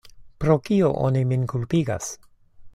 Pro kio oni min kulpigas?